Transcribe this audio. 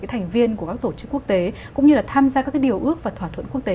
thành viên của các tổ chức quốc tế cũng như là tham gia các điều ước và thỏa thuận quốc tế